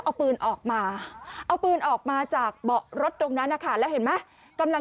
คือเอาอย่างนี้คุณผู้ชมในคลิปเนี่ยบางคนไม่ได้ดูตั้งแต่ต้นเนี่ยอาจจะงงนะฮะ